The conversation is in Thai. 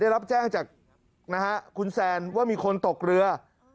ได้รับแจ้งจากคุณแซนว่ามีคนตกเรือ